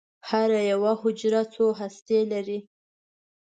هره یوه حجره څو هستې لري.